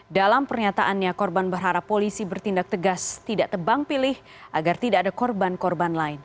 dalam pernyataannya korban berharap polisi bertindak tegas tidak tebang pilih agar tidak ada korban korban lain